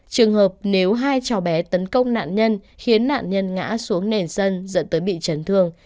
trường hợp nếu hai cháu bé tấn công nạn nhân khiến nạn nhân ngã xuống nền sân dẫn tới bị chấn thương